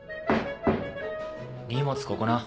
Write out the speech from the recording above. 荷物ここな。